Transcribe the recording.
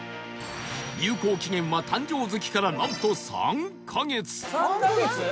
有効期限は誕生月からなんと３カ月